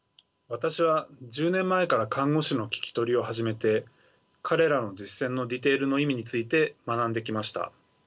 私は１０年前から看護師の聞き取りを始めて彼らの実践のディテールの意味について学んできました。